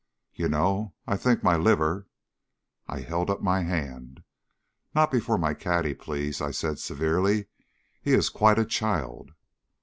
"You know, I think my liver " I held up my hand. "Not before my caddie, please," I said severely, "he is quite a child."